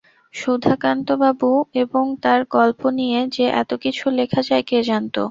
সুধাকান্তবাবু এবং তার গল্প নিয়ে যে এত কিছু লেখা যায় কে জানত।